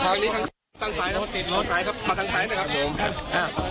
สามสอง